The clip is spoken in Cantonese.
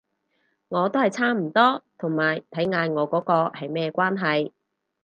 我都係差唔多，同埋睇嗌我嗰個係咩關係